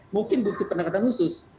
mungkin bukti pendekatan khusus